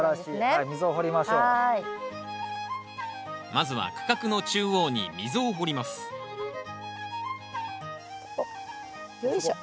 まずは区画の中央に溝を掘りますよいしょ。